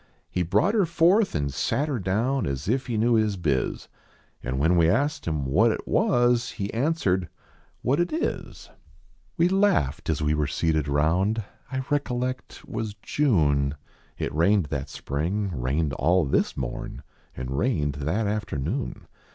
He brought er forth an sat er down As if he knew his bi/, And when we asked him what it was/ He answered, "What it is." 1 66 THE OLD Ml S/( 7. I.\"S /. I 77: We laughed as we were seated round ; I recollect twas June ; It rained that spring, rained all this morn. And rained that afternoon.